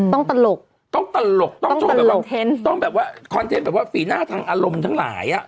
ตลกต้องตลกต้องโชว์แบบคอนเทนต์ต้องแบบว่าคอนเทนต์แบบว่าฝีหน้าทางอารมณ์ทั้งหลายอ่ะ